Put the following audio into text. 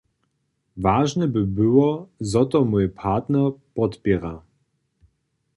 Wažne by było, zo to mój partner podpěra.